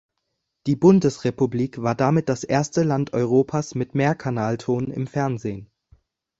Die Bundesrepublik war damit das erste Land Europas mit Mehrkanalton im Fernsehen.